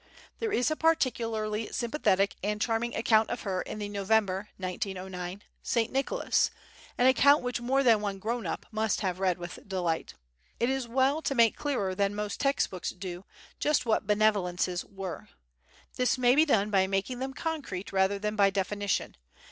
There is a particularly sympathetic and charming account of her in the November (1909) "St. Nicholas" an account which more than one "grown up" must have read with delight. It is well to make clearer than most text books do just what "benevolences" were. This may be done by making them concrete rather than by definition.